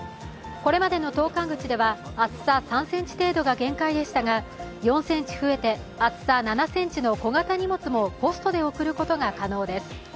これまでの投函口では厚さ３ｃｍ程度が限界でしたが、４ｃｍ増えて厚さ７ｃｍの小型荷物もポストで送ることが可能です。